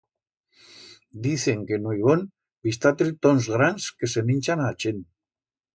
Dicen que en o ibón bi'stá tritons grans que se minchan a chent.